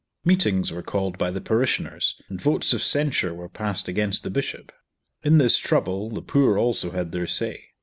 Meetings were called by the parishioners, and votes of censure were passed against the Bishop. In this trouble the poor also had their say.